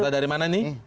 data dari mana ini